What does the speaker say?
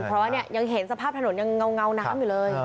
เพราะว่าเนี่ยยังเห็นสภาพถนนยังเงาน้ำอยู่เลย